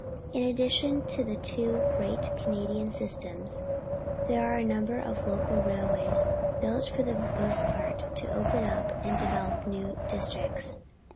In addition to the two great Canadian systems, there are a number of local railways, built, for the most part, to open up and develop new districts.